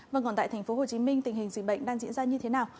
vâng còn tại thành phố hồ chí minh tình hình dịch bệnh đang diễn ra như thế nào